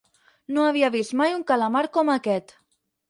No havia vist mai un calamar com aquest.